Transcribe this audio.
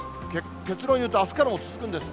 結論言うと、あすからも続くんです。